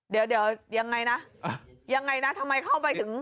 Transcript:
เดี๋ยวยังไงนะยังไงนะทำไมเข้าไปถึง